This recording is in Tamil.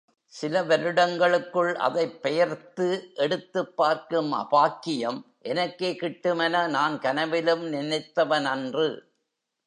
சில வருடங்களுக்குள் அதைப் பெயர்த்து எடுத்துப் பார்க்கும் அபாக்கியம், எனக்கே கிட்டுமென நான் கனவிலும் நினைத்தவனன்று!